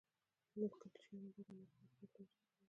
نکلچیانو به دا نکلونه په مجلسونو کې ویل.